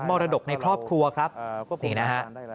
มรดกในครอบครัวครับนี่นะฮะ